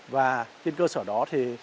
và trên cơ sở đó